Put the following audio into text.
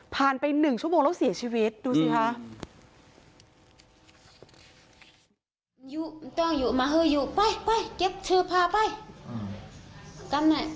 ผ่านไปหนึ่งชั่วโมงแล้วเสียชีวิตดูสิค่ะ